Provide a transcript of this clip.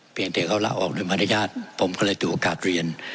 เปลี่ยนแต่เขาลาออกโดยมารยาทผมก็เลยถือโอกาสเรียน